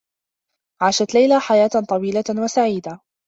عاشت ليلى حياة طويلة و سعيدة.